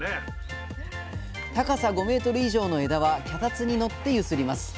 高さ５メートル以上の枝は脚立にのって揺すります。